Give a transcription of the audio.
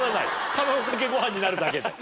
卵かけご飯になるだけで。